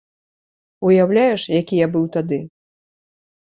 Уяўляеш, які я быў тады!